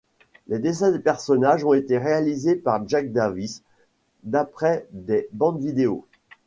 Les dessins des personnages ont été réalisés par Jack Davis, d'après des bandes vidéo.